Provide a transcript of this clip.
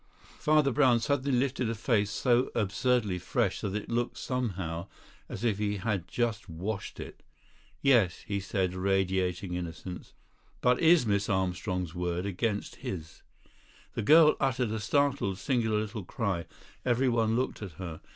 Father Brown suddenly lifted a face so absurdly fresh that it looked somehow as if he had just washed it. "Yes," he said, radiating innocence, "but is Miss Armstrong's word against his?" The girl uttered a startled, singular little cry; everyone looked at her.